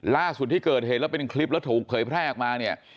ล่าสุดที่เกิดเหตุแล้วเป็นคลิปแล้วถูกเผยแพร่ออกมาเนี่ย